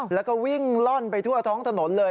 แล้วก็วิ่งล่อนไปทั่วท้องถนนเลย